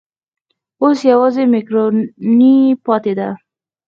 اوس یوازې مېکاروني پاتې ده.